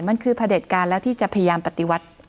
มันคือพระเด็จการแล้วที่จะพยายามปฏิวัติ